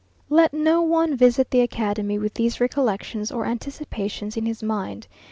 Let no one visit the Academy with these recollections or anticipations in his mind....